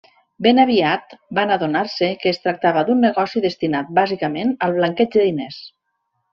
Ben aviat van adonar-se que es tractava d'un negoci destinat, bàsicament, al blanqueig de diners.